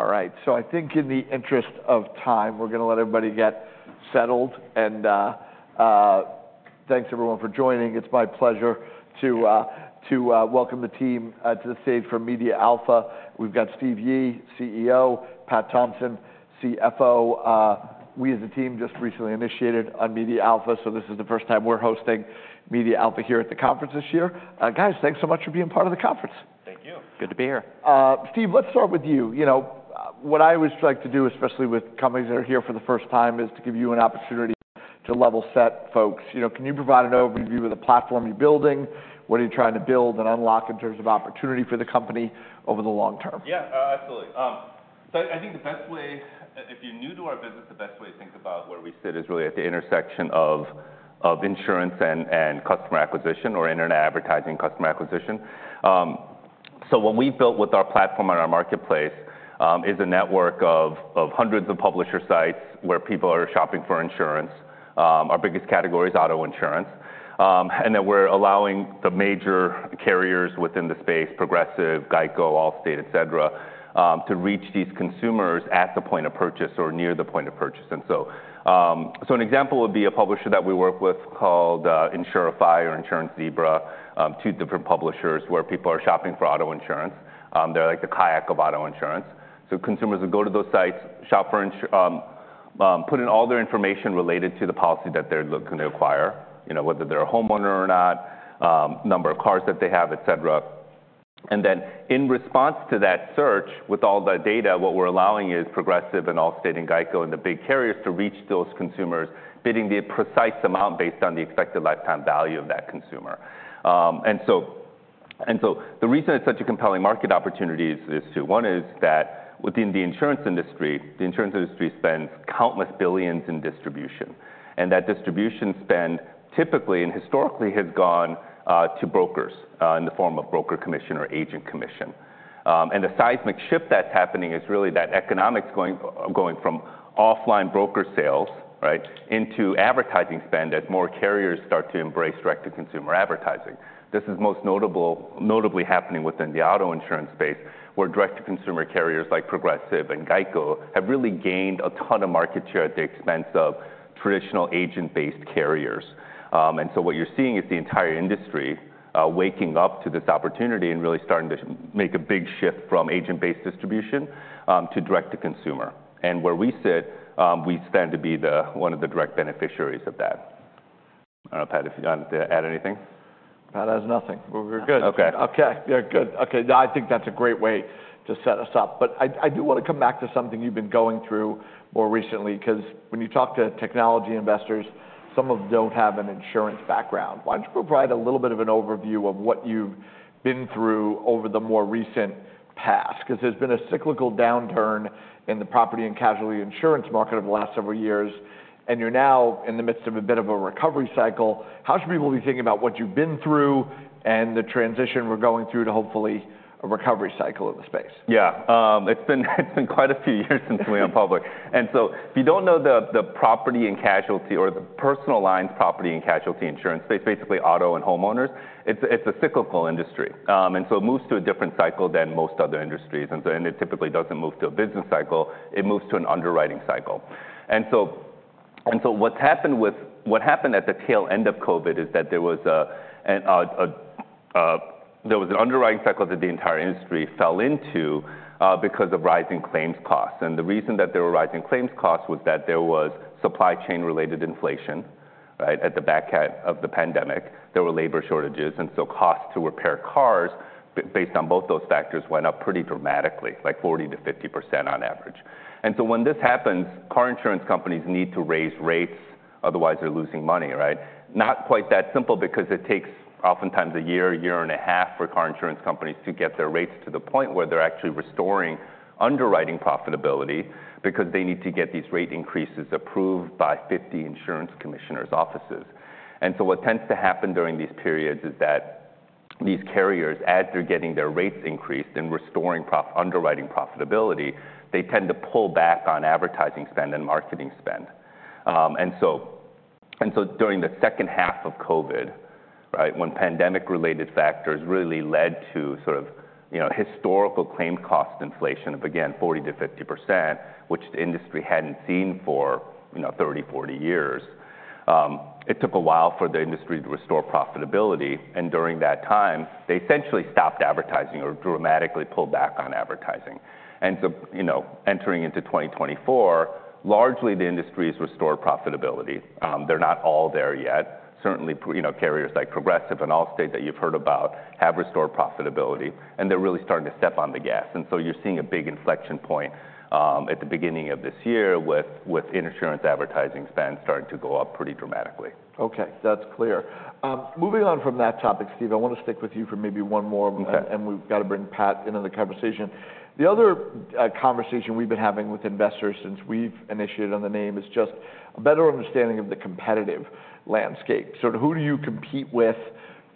All right, so I think in the interest of time, we're gonna let everybody get settled, and thanks everyone for joining. It's my pleasure to welcome the team to the stage from MediaAlpha. We've got Steve Yi, CEO; Pat Thompson, CFO. We, as a team, just recently initiated on MediaAlpha, so this is the first time we're hosting MediaAlpha here at the conference this year. Guys, thanks so much for being part of the conference. Thank you. Good to be here. Steve, let's start with you. You know, what I always like to do, especially with companies that are here for the first time, is to give you an opportunity to level set folks. You know, can you provide an overview of the platform you're building? What are you trying to build and unlock in terms of opportunity for the company over the long term? Yeah, absolutely. So I think if you're new to our business, the best way to think about where we sit is really at the intersection of insurance and customer acquisition, or internet advertising customer acquisition. So what we've built with our platform and our marketplace is a network of hundreds of publisher sites where people are shopping for insurance. Our biggest category is auto insurance. And then we're allowing the major carriers within the space, Progressive, Geico, Allstate, et cetera, to reach these consumers at the point of purchase or near the point of purchase. And so, so an example would be a publisher that we work with called Insurify or Insurance Zebra, two different publishers where people are shopping for auto insurance. They're like the Kayak of auto insurance. So consumers will go to those sites, shop for insurance, put in all their information related to the policy that they're looking to acquire, you know, whether they're a homeowner or not, number of cars that they have, et cetera. And then, in response to that search, with all the data, what we're allowing is Progressive and Allstate and Geico, and the big carriers, to reach those consumers, bidding the precise amount based on the expected lifetime value of that consumer. And so the reason it's such a compelling market opportunity is two: One is that within the insurance industry, the insurance industry spends countless billions in distribution, and that distribution spend typically, and historically, has gone to brokers in the form of broker commission or agent commission. And the seismic shift that's happening is really that economics going, going from offline broker sales, right, into advertising spend as more carriers start to embrace direct-to-consumer advertising. This is most notably happening within the auto insurance space, where direct-to-consumer carriers, like Progressive and Geico, have really gained a ton of market share at the expense of traditional agent-based carriers. And so what you're seeing is the entire industry waking up to this opportunity and really starting to make a big shift from agent-based distribution to direct to consumer. And where we sit, we stand to be one of the direct beneficiaries of that. I don't know, Pat, if you wanted to add anything? Pat has nothing. We're good. Okay. Okay. Yeah, good. Okay, no, I think that's a great way to set us up. But I, I do wanna come back to something you've been going through more recently, 'cause when you talk to technology investors, some of them don't have an insurance background. Why don't you provide a little bit of an overview of what you've been through over the more recent past? 'Cause there's been a cyclical downturn in the property and casualty insurance market over the last several years, and you're now in the midst of a bit of a recovery cycle. How should people be thinking about what you've been through and the transition we're going through to, hopefully, a recovery cycle of the space? Yeah, it's been quite a few years since we went public. If you don't know the property and casualty or the personal lines, property and casualty insurance, it's basically auto and homeowners. It's a cyclical industry. It moves to a different cycle than most other industries, and it typically doesn't move to a business cycle, it moves to an underwriting cycle. What happened at the tail end of COVID is that there was an underwriting cycle that the entire industry fell into because of rising claims costs. The reason that there were rising claims costs was that there was supply chain-related inflation, right, at the back end of the pandemic. There were labor shortages, and so costs to repair cars, based on both those factors, went up pretty dramatically, like 40%-50% on average. And so, when this happens, car insurance companies need to raise rates, otherwise they're losing money, right? Not quite that simple, because it takes oftentimes a year, a year and a half, for car insurance companies to get their rates to the point where they're actually restoring underwriting profitability, because they need to get these rate increases approved by 50 insurance commissioners' offices. And so what tends to happen during these periods is that these carriers, as they're getting their rates increased and restoring underwriting profitability, they tend to pull back on advertising spend and marketing spend. And so during the second half of COVID, right, when pandemic-related factors really led to sort of, you know, historical claim cost inflation of, again, 40%-50%, which the industry hadn't seen for, you know, 30-40 years, it took a while for the industry to restore profitability, and during that time, they essentially stopped advertising or dramatically pulled back on advertising. And so, you know, entering into 2024, largely, the industry's restored profitability. They're not all there yet. Certainly, you know, carriers like Progressive and Allstate that you've heard about, have restored profitability, and they're really starting to step on the gas. And so you're seeing a big inflection point at the beginning of this year with insurance advertising spends starting to go up pretty dramatically. Okay, that's clear. Moving on from that topic, Steve, I wanna stick with you for maybe one more- Okay. And we've got to bring Pat into the conversation. The other conversation we've been having with investors since we've initiated on the name is just a better understanding of the competitive landscape. So who do you compete with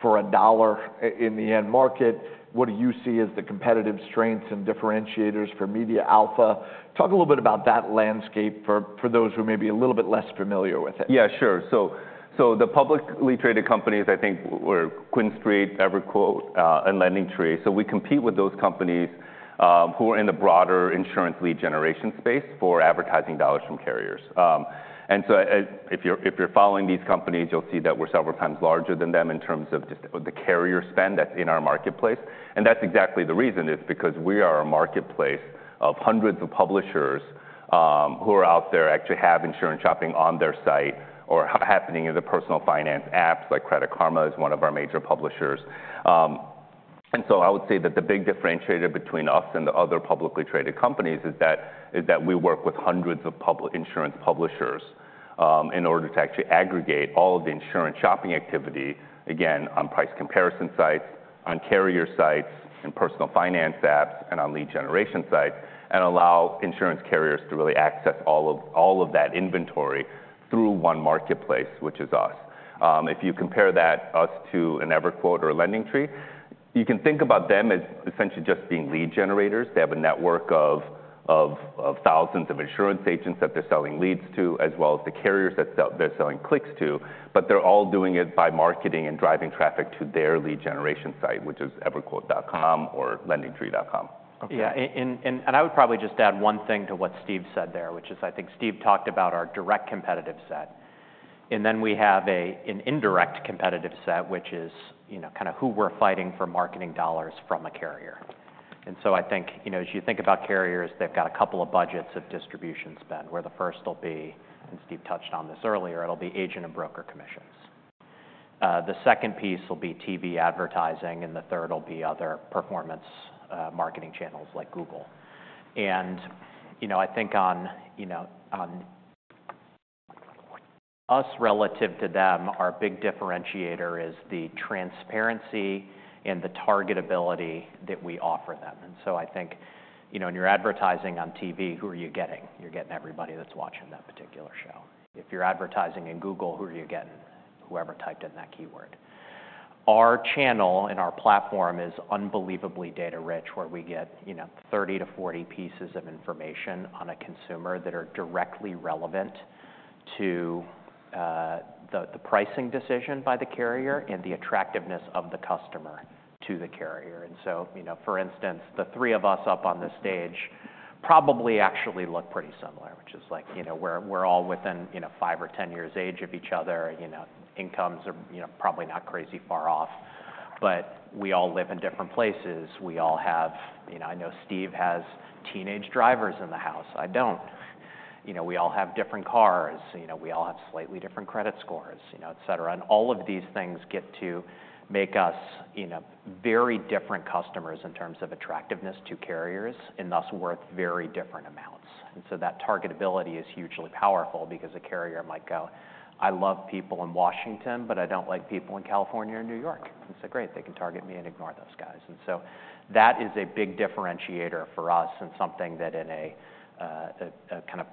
for a dollar in the end market? What do you see as the competitive strengths and differentiators for MediaAlpha? Talk a little bit about that landscape for those who may be a little bit less familiar with it. Yeah, sure. So, so the publicly traded companies, I think, were QuinStreet, EverQuote, and LendingTree. So we compete with those companies, who are in the broader insurance lead generation space for advertising dollars from carriers. And so, if you're, if you're following these companies, you'll see that we're several times larger than them in terms of just the carrier spend that's in our marketplace. And that's exactly the reason, is because we are a marketplace of hundreds of publishers, who are out there, actually have insurance shopping on their site or happening in the personal finance apps, like Credit Karma is one of our major publishers. And so I would say that the big differentiator between us and the other publicly traded companies is that we work with hundreds of public insurance publishers in order to actually aggregate all of the insurance shopping activity, again, on price comparison sites, on carrier sites, and personal finance apps, and on lead generation sites, and allow insurance carriers to really access all of that inventory through one marketplace, which is us. If you compare us to an EverQuote or a LendingTree, you can think about them as essentially just being lead generators. They have a network of thousands of insurance agents that they're selling leads to, as well as the carriers that they're selling clicks to, but they're all doing it by marketing and driving traffic to their lead generation site, which is EverQuote.com or LendingTree.com. Okay. Yeah, I would probably just add one thing to what Steve said there, which is, I think Steve talked about our direct competitive set, and then we have an indirect competitive set, which is, you know, kind of who we're fighting for marketing dollars from a carrier. And so I think, you know, as you think about carriers, they've got a couple of budgets of distribution spend, where the first will be, and Steve touched on this earlier, it'll be agent and broker commissions. The second piece will be TV advertising, and the third will be other performance marketing channels like Google. And, you know, I think on, you know, on us relative to them, our big differentiator is the transparency and the targetability that we offer them. And so I think, you know, when you're advertising on TV, who are you getting? You're getting everybody that's watching that particular show. If you're advertising in Google, who are you getting? Whoever typed in that keyword. Our channel and our platform is unbelievably data-rich, where we get, you know, 30-40 pieces of information on a consumer that are directly relevant to the pricing decision by the carrier and the attractiveness of the customer to the carrier. And so, you know, for instance, the three of us up on this stage probably actually look pretty similar, which is like, you know, we're all within, you know, five or ten years age of each other, you know, incomes are, you know, probably not crazy far off, but we all live in different places. We all have... You know, I know Steve has teenage drivers in the house. I don't. You know, we all have different cars, you know, we all have slightly different credit scores, you know, et cetera. And all of these things get to make us, you know, very different customers in terms of attractiveness to carriers, and thus worth very different amounts. And so that target ability is hugely powerful because a carrier might go: "I love people in Washington, but I don't like people in California or New York." And so great, they can target me and ignore those guys. And so that is a big differentiator for us and something that in a kind of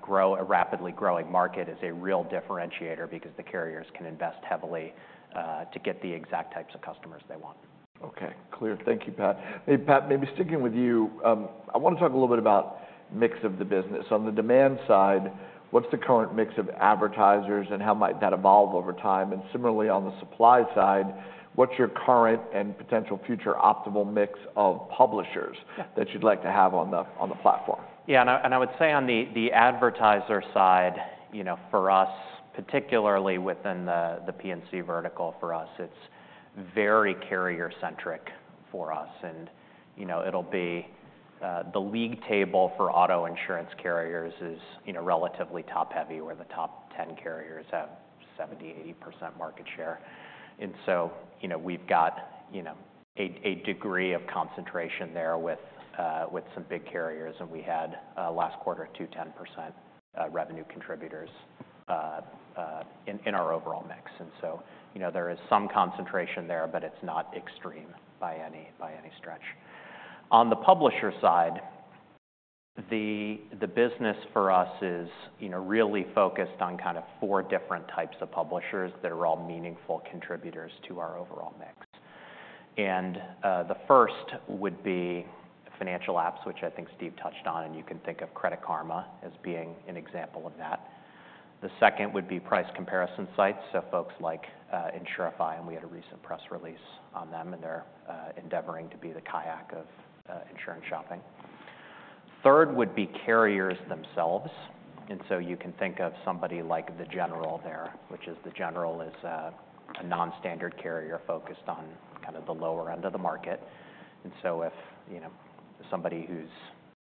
rapidly growing market, is a real differentiator because the carriers can invest heavily to get the exact types of customers they want. Okay, clear. Thank you, Pat. Hey, Pat, maybe sticking with you, I want to talk a little bit about mix of the business. On the demand side, what's the current mix of advertisers, and how might that evolve over time? And similarly, on the supply side, what's your current and potential future optimal mix of publishers- Yeah... that you'd like to have on the platform? Yeah, and I would say on the advertiser side, you know, for us, particularly within the P&C vertical, for us, it's very carrier-centric for us. And, you know, it'll be the league table for auto insurance carriers is, you know, relatively top-heavy, where the top 10 carriers have 70%-80% market share. And so, you know, we've got, you know, a degree of concentration there with some big carriers, and we had last quarter, two 10% revenue contributors in our overall mix. And so, you know, there is some concentration there, but it's not extreme by any stretch. On the publisher side, the business for us is, you know, really focused on kind of four different types of publishers that are all meaningful contributors to our overall mix. And, the first would be financial apps, which I think Steve touched on, and you can think of Credit Karma as being an example of that. The second would be price comparison sites, so folks like Insurify, and we had a recent press release on them, and they're endeavoring to be the Kayak of insurance shopping. Third would be carriers themselves, and so you can think of somebody like The General there, which is The General, a non-standard carrier focused on kind of the lower end of the market. And so if you know somebody who's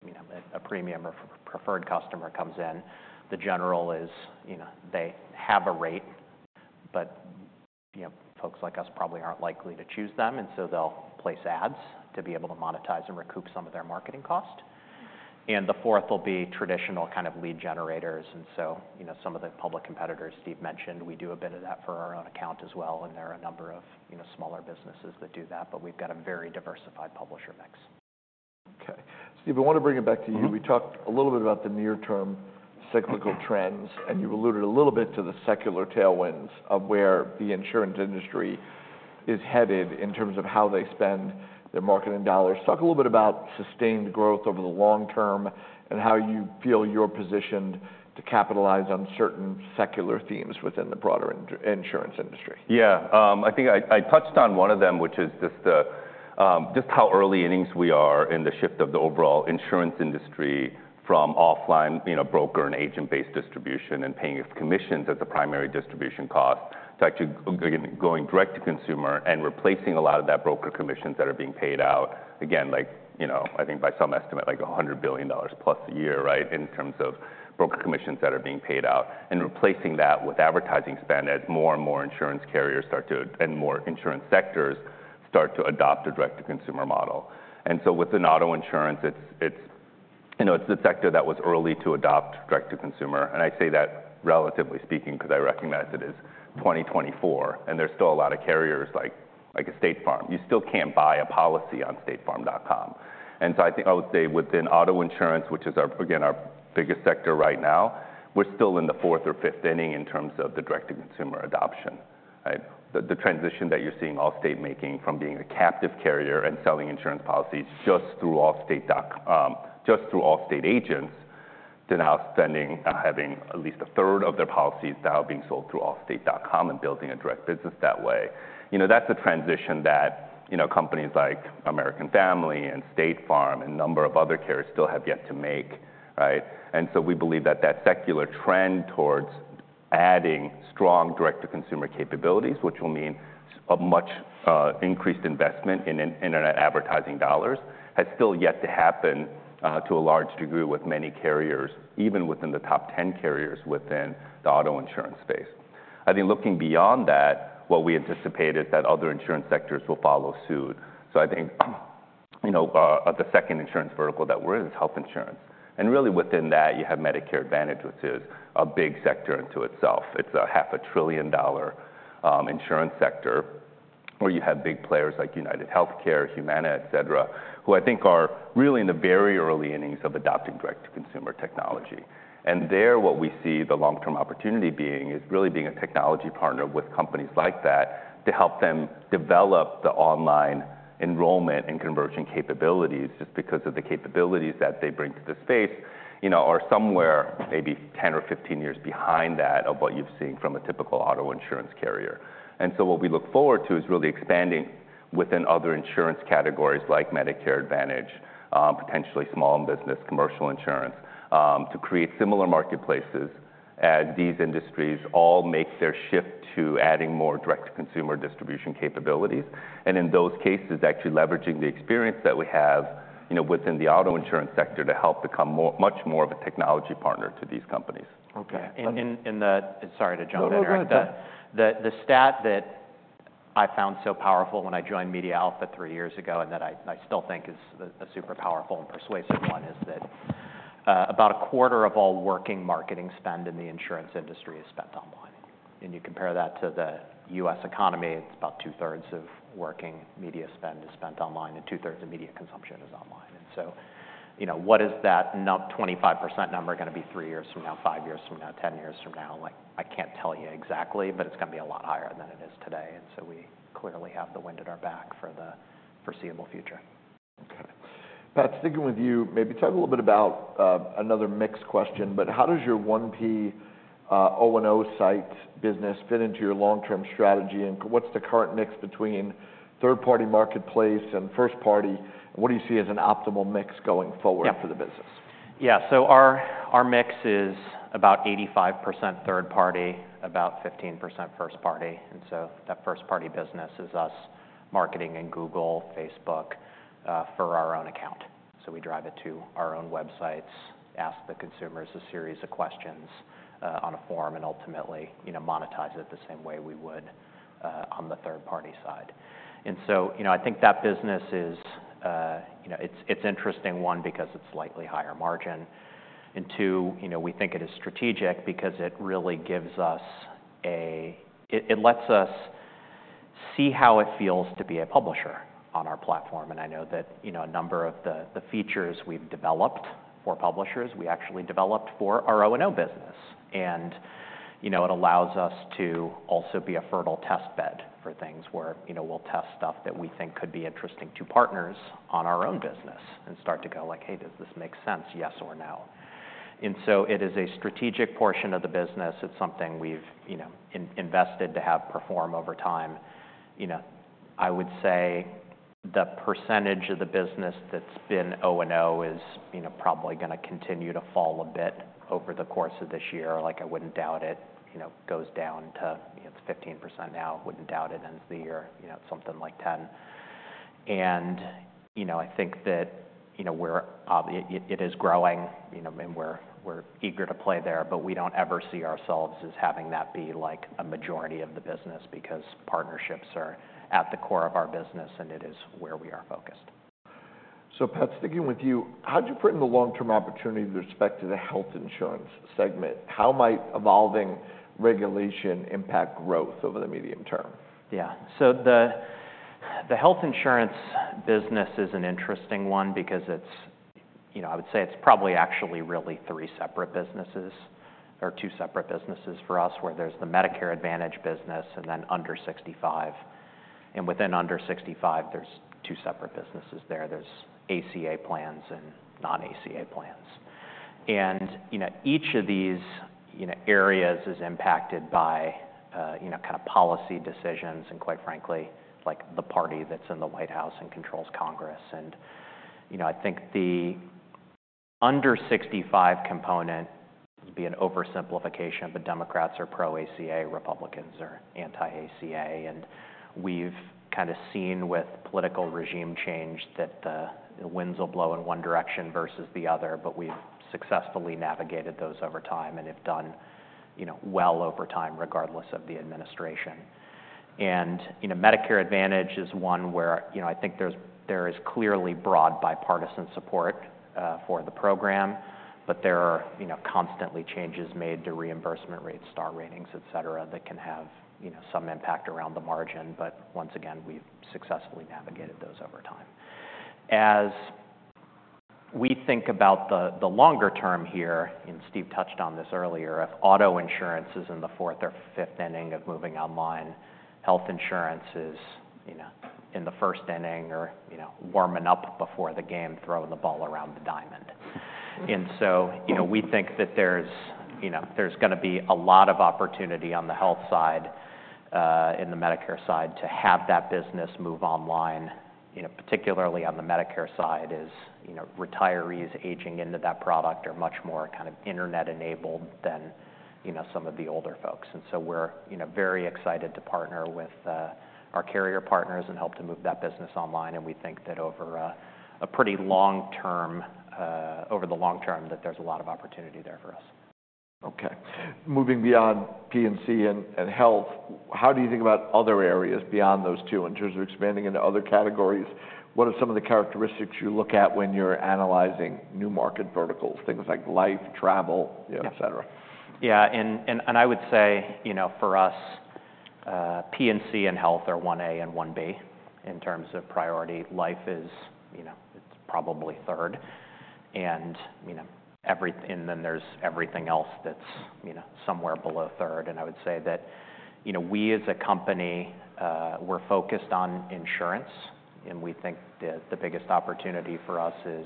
you know a premium or preferred customer comes in, The General is you know they have a rate, but you know folks like us probably aren't likely to choose them, and so they'll place ads to be able to monetize and recoup some of their marketing cost. The fourth will be traditional kind of lead generators, and so you know some of the public competitors Steve mentioned, we do a bit of that for our own account as well, and there are a number of you know smaller businesses that do that, but we've got a very diversified publisher mix. Okay. Steve, I want to bring it back to you. Mm-hmm. We talked a little bit about the near-term cyclical trends, and you alluded a little bit to the secular tailwinds of where the insurance industry is headed in terms of how they spend their marketing dollars. Talk a little bit about sustained growth over the long term, and how you feel you're positioned to capitalize on certain secular themes within the broader insurance industry. Yeah, I think I touched on one of them, which is just the just how early innings we are in the shift of the overall insurance industry from offline, you know, broker and agent-based distribution, and paying commissions as a primary distribution cost, to actually going direct to consumer and replacing a lot of that broker commissions that are being paid out. Again, like, you know, I think by some estimate, like $100 billion+ a year, right, in terms of broker commissions that are being paid out. And replacing that with advertising spend as more and more insurance carriers start to, and more insurance sectors start to adopt a direct-to-consumer model. And so within auto insurance, it's, you know, it's the sector that was early to adopt direct to consumer. And I say that relatively speaking, 'cause I recognize it is 2024, and there's still a lot of carriers, like State Farm. You still can't buy a policy on StateFarm.com. And so I think I would say within auto insurance, which is our, again, our biggest sector right now, we're still in the fourth or fifth inning in terms of the direct-to-consumer adoption, right? The transition that you're seeing Allstate making from being a captive carrier and selling insurance policies just through Allstate dot. Just through Allstate agents, to now spending, having at least a third of their policies now being sold through Allstate.com and building a direct business that way. You know, that's a transition that, you know, companies like American Family and State Farm, and a number of other carriers still have yet to make, right? And so we believe that that secular trend towards adding strong direct-to-consumer capabilities, which will mean a much increased investment in internet advertising dollars, has still yet to happen to a large degree with many carriers, even within the top 10 carriers within the auto insurance space. I think looking beyond that, what we anticipate is that other insurance sectors will follow suit. So I think you know the second insurance vertical that we're in is health insurance. And really within that, you have Medicare Advantage, which is a big sector into itself. It's a $500 billion insurance sector, where you have big players like UnitedHealthcare, Humana, et cetera, who I think are really in the very early innings of adopting direct-to-consumer technology. There, what we see the long-term opportunity being is really being a technology partner with companies like that, to help them develop the online enrollment and conversion capabilities, just because of the capabilities that they bring to the space, you know, are somewhere maybe 10 or 15 years behind that of what you've seen from a typical auto insurance carrier, and so what we look forward to is really expanding within other insurance categories like Medicare Advantage, potentially small business, commercial insurance, to create similar marketplaces as these industries all make their shift to adding more direct-to-consumer distribution capabilities, and in those cases, actually leveraging the experience that we have, you know, within the auto insurance sector to help become much more of a technology partner to these companies. Okay. Sorry to jump in there. No, no, go ahead. The stat that I found so powerful when I joined MediaAlpha three years ago, and that I still think is a super powerful and persuasive one, is that about a quarter of all working marketing spend in the insurance industry is spent online. And you compare that to the U.S. economy, it's about two-thirds of working media spend is spent online, and two-thirds of media consumption is online. And so, you know, what is that now 25% number gonna be three years from now, five years from now, ten years from now? Like, I can't tell you exactly, but it's gonna be a lot higher than it is today. And so we clearly have the wind at our back for the foreseeable future. Okay. Pat, sticking with you, maybe talk a little bit about another mixed question, but how does your 1P, O&O site business fit into your long-term strategy, and what's the current mix between third-party marketplace and first party? And what do you see as an optimal mix going forward? Yeah... for the business? Yeah, so our mix is about 85% third party, about 15% first party. And so that first party business is us marketing in Google, Facebook, for our own account. So we drive it to our own websites, ask the consumers a series of questions, on a form, and ultimately, you know, monetize it the same way we would, on the third-party side. And so, you know, I think that business is, you know, it's interesting, one, because it's slightly higher margin, and two, you know, we think it is strategic because it really gives us. It lets us see how it feels to be a publisher on our platform. And I know that, you know, a number of the features we've developed for publishers, we actually developed for our O&O business. You know, it allows us to also be a fertile test bed for things where, you know, we'll test stuff that we think could be interesting to partners on our own business, and start to go like: Hey, does this make sense? Yes or no? And so it is a strategic portion of the business. It's something we've, you know, invested to have perform over time. You know, I would say the percentage of the business that's been O&O is, you know, probably gonna continue to fall a bit over the course of this year. Like, I wouldn't doubt it, you know, goes down to, you know, it's 15% now, wouldn't doubt it ends the year, you know, something like 10%. You know, I think that, you know, it is growing, you know, and we're eager to play there, but we don't ever see ourselves as having that be like a majority of the business, because partnerships are at the core of our business, and it is where we are focused. So, Pat, sticking with you, how do you put in the long-term opportunity with respect to the health insurance segment? How might evolving regulation impact growth over the medium term? Yeah. So the health insurance business is an interesting one because it's, you know, I would say it's probably actually really three separate businesses or two separate businesses for us, where there's the Medicare Advantage business and then Under-65. And within Under-65, there's two separate businesses there. There's ACA plans and non-ACA plans. And, you know, each of these, you know, areas is impacted by, you know, kind of policy decisions and quite frankly, like, the party that's in the White House and controls Congress. And, you know, I think the Under-65 component would be an oversimplification, but Democrats are pro-ACA, Republicans are anti-ACA. And we've kind of seen with political regime change that the winds will blow in one direction versus the other, but we've successfully navigated those over time and have done, you know, well over time, regardless of the administration. You know, Medicare Advantage is one where, you know, I think there is clearly broad bipartisan support for the program, but there are, you know, constantly changes made to reimbursement rates, star ratings, et cetera, that can have, you know, some impact around the margin. But once again, we've successfully navigated those over time. As we think about the longer term here, and Steve touched on this earlier, if auto insurance is in the fourth or fifth inning of moving online, health insurance is, you know, in the first inning or, you know, warming up before the game, throwing the ball around the diamond. And so, you know, we think that there's, you know, gonna be a lot of opportunity on the health side, in the Medicare side, to have that business move online. You know, particularly on the Medicare side, is, you know, retirees aging into that product are much more kind of internet-enabled than, you know, some of the older folks. And so we're, you know, very excited to partner with our carrier partners and help to move that business online, and we think that over the long term, that there's a lot of opportunity there for us. Okay. Moving beyond P&C and health, how do you think about other areas beyond those two in terms of expanding into other categories? What are some of the characteristics you look at when you're analyzing new market verticals, things like life, travel, et cetera? Yeah, and I would say, you know, for us, P&C and health are 1A and 1B in terms of priority. Life is, you know, it's probably third, and, you know, and then there's everything else that's, you know, somewhere below third. And I would say that, you know, we, as a company, we're focused on insurance, and we think that the biggest opportunity for us is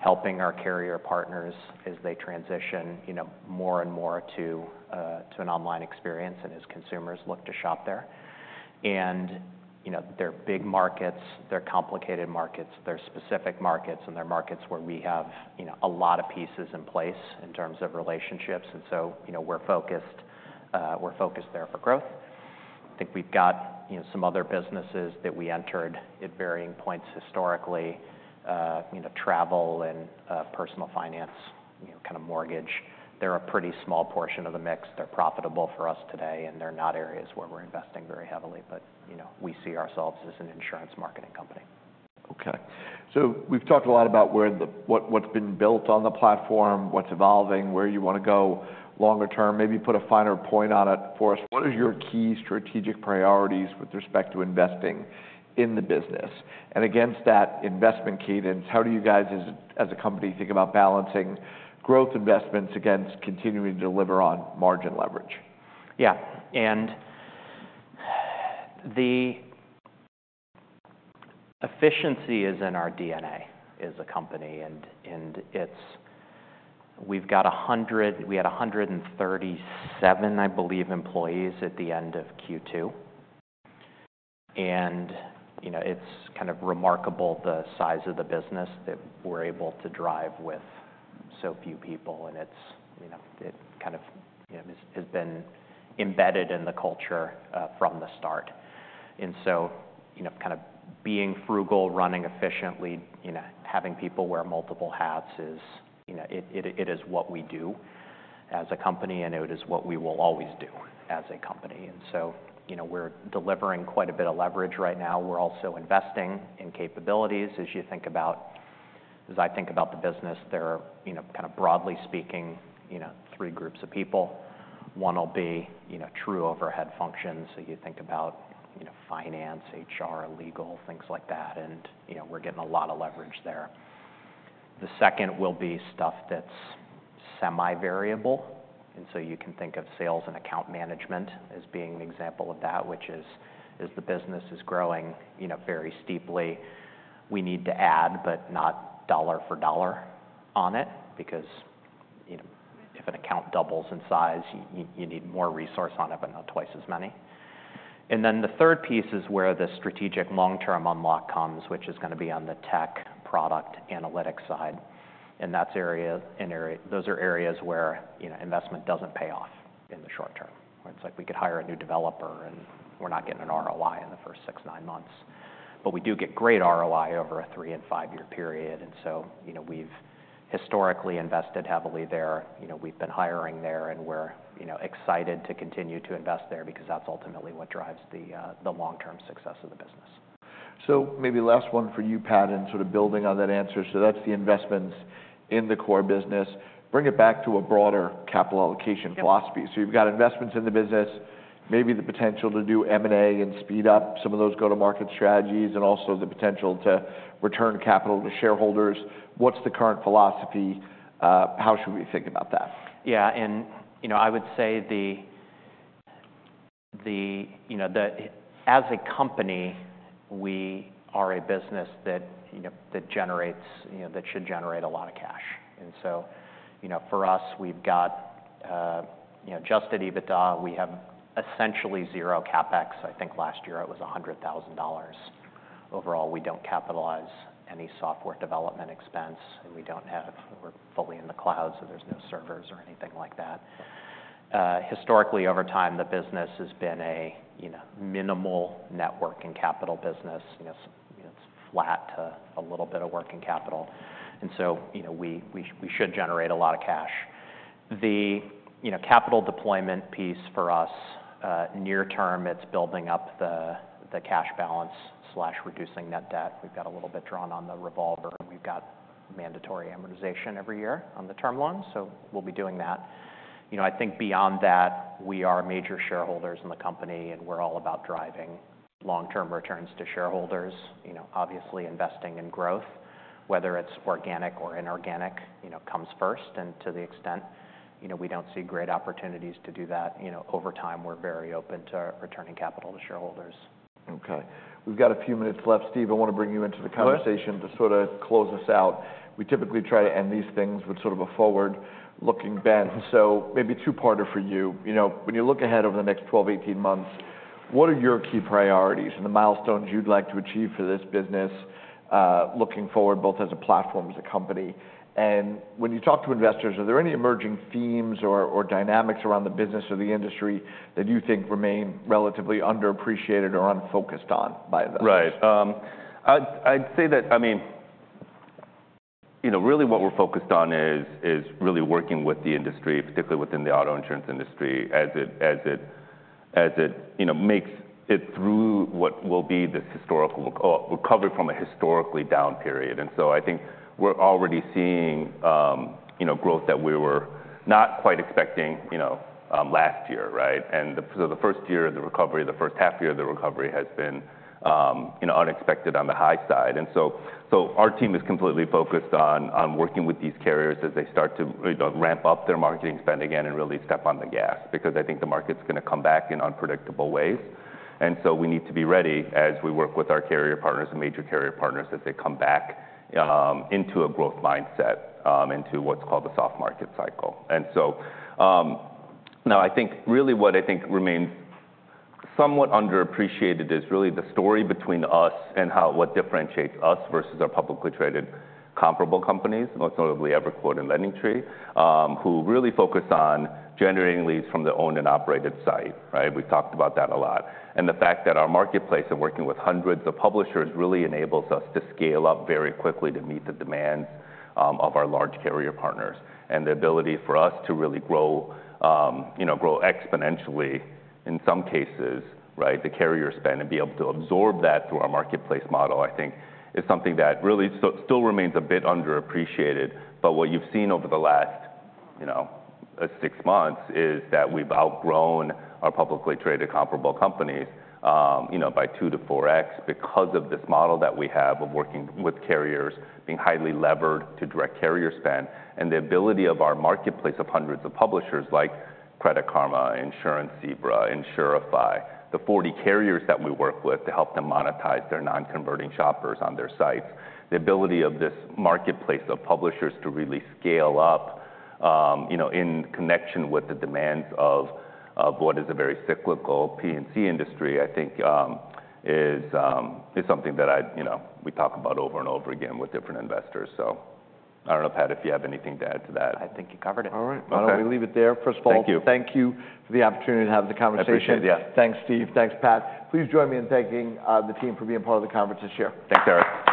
helping our carrier partners as they transition, you know, more and more to an online experience and as consumers look to shop there. And, you know, they're big markets, they're complicated markets, they're specific markets, and they're markets where we have, you know, a lot of pieces in place in terms of relationships, and so, you know, we're focused there for growth. I think we've got, you know, some other businesses that we entered at varying points historically, you know, travel and, personal finance, you know, kind of mortgage. They're a pretty small portion of the mix. They're profitable for us today, and they're not areas where we're investing very heavily, but, you know, we see ourselves as an insurance marketing company. Okay. So we've talked a lot about where the... what's been built on the platform, what's evolving, where you want to go longer term. Maybe put a finer point on it for us. What are your key strategic priorities with respect to investing in the business? And against that investment cadence, how do you guys as a company think about balancing growth investments against continuing to deliver on margin leverage? Yeah, and the efficiency is in our DNA as a company, and it's we had 137, I believe, employees at the end of Q2. And, you know, it's kind of remarkable the size of the business that we're able to drive with so few people, and it's, you know, it kind of, you know, has been embedded in the culture from the start. And so, you know, kind of being frugal, running efficiently, you know, having people wear multiple hats is, you know, it is what we do as a company, and it is what we will always do as a company. And so, you know, we're delivering quite a bit of leverage right now. We're also investing in capabilities. As I think about the business there are, you know, kind of broadly speaking, you know, three groups of people. One will be, you know, true overhead functions. So you think about, you know, finance, HR, legal, things like that, and, you know, we're getting a lot of leverage there. The second will be stuff that's semi-variable, and so you can think of sales and account management as being an example of that, which is, as the business is growing, you know, very steeply, we need to add, but not dollar for dollar on it, because, you know, if an account doubles in size, you need more resource on it, but not twice as many. And then the third piece is where the strategic long-term unlock comes, which is gonna be on the tech product analytics side, and that's an area – those are areas where, you know, investment doesn't pay off in the short term. It's like we could hire a new developer, and we're not getting an ROI in the first six, nine months. But we do get great ROI over a three and five-year period, and so, you know, we've historically invested heavily there. You know, we've been hiring there, and we're, you know, excited to continue to invest there because that's ultimately what drives the long-term success of the business. So maybe last one for you, Pat, and sort of building on that answer. So that's the investments in the core business. Bring it back to a broader capital allocation philosophy. Yeah. So you've got investments in the business, maybe the potential to do M&A and speed up some of those go-to-market strategies, and also the potential to return capital to shareholders. What's the current philosophy? How should we think about that? Yeah, and, you know, I would say the as a company, we are a business that, you know, that generates, you know, that should generate a lot of cash. And so, you know, for us, we've got, you know, Adjusted EBITDA, we have essentially zero CapEx. I think last year it was $100,000. Overall, we don't capitalize any software development expense, and we don't have. We're fully in the cloud, so there's no servers or anything like that. Historically, over time, the business has been a, you know, minimal net working capital business. You know, it's flat to a little bit of working capital, and so, you know, we should generate a lot of cash. The, you know, capital deployment piece for us, near term, it's building up the cash balance/reducing net debt. We've got a little bit drawn on the revolver, and we've got mandatory amortization every year on the term loan, so we'll be doing that. You know, I think beyond that, we are major shareholders in the company, and we're all about driving long-term returns to shareholders. You know, obviously, investing in growth, whether it's organic or inorganic, you know, comes first, and to the extent, you know, we don't see great opportunities to do that, you know, over time, we're very open to returning capital to shareholders. Okay. We've got a few minutes left. Steve, I want to bring you into the conversation- Sure. To sort of close us out. We typically try to end these things with sort of a forward-looking bend. So maybe a two-parter for you. You know, when you look ahead over the next twelve, eighteen months, what are your key priorities and the milestones you'd like to achieve for this business, looking forward, both as a platform, as a company? And when you talk to investors, are there any emerging themes or dynamics around the business or the industry that you think remain relatively underappreciated or unfocused on by investors? Right. I'd say that, I mean, you know, really what we're focused on is really working with the industry, particularly within the auto insurance industry, as it, you know, makes it through what will be this historical recovery from a historically down period. And so I think we're already seeing, you know, growth that we were not quite expecting, you know, last year, right? And so the first year of the recovery, the first half year of the recovery has been, you know, unexpected on the high side. And so our team is completely focused on working with these carriers as they start to, you know, ramp up their marketing spend again and really step on the gas. Because I think the market's gonna come back in unpredictable ways, and so we need to be ready as we work with our carrier partners and major carrier partners as they come back into a growth mindset into what's called the soft market cycle. And so now I think really what I think remains somewhat underappreciated is really the story between us and what differentiates us versus our publicly traded comparable companies, most notably EverQuote and LendingTree, who really focus on generating leads from their owned and operated site, right? We've talked about that a lot. And the fact that our marketplace of working with hundreds of publishers really enables us to scale up very quickly to meet the demands of our large carrier partners. And the ability for us to really grow, you know, grow exponentially in some cases, right, the carrier spend, and be able to absorb that through our marketplace model, I think is something that really still remains a bit underappreciated. But what you've seen over the last, you know, six months is that we've outgrown our publicly traded comparable companies, you know, by two to four X because of this model that we have of working with carriers, being highly levered to direct carrier spend, and the ability of our marketplace of hundreds of publishers like Credit Karma, Insurance Zebra, Insurify, the 40 carriers that we work with to help them monetize their non-converting shoppers on their sites. The ability of this marketplace of publishers to really scale up, you know, in connection with the demands of what is a very cyclical P&C industry, I think, is something that I'd, you know, we talk about over and over again with different investors. So I don't know, Pat, if you have anything to add to that. I think you covered it. All right. Okay. Why don't we leave it there? Thank you. First of all, thank you for the opportunity to have the conversation. I appreciate it, yeah. Thanks, Steve. Thanks, Pat. Please join me in thanking the team for being part of the conference this year. Thanks, Eric.